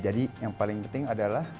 yang paling penting adalah